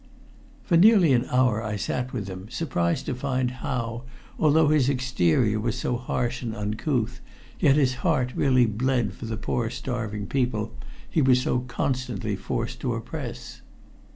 For nearly an hour I sat with him, surprised to find how, although his exterior was so harsh and uncouth, yet his heart really bled for the poor starving people he was so constantly forced to oppress.